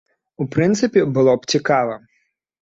У прынцыпе, было б цікава.